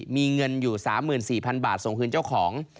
มีเงินอยู่๓๔๐๐๐บาทส่งคืนเจ้าของ